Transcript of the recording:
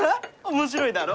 面白いだろ？